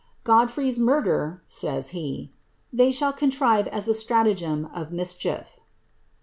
^ Godfrey's order,'' says he, ^ they shall contrive as a stratagem of mischief.'